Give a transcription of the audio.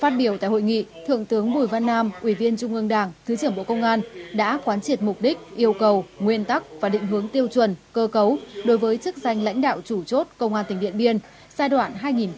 phát biểu tại hội nghị thượng tướng bùi văn nam ủy viên trung ương đảng thứ trưởng bộ công an đã quán triệt mục đích yêu cầu nguyên tắc và định hướng tiêu chuẩn cơ cấu đối với chức danh lãnh đạo chủ chốt công an tỉnh điện biên giai đoạn hai nghìn hai mươi hai nghìn hai mươi năm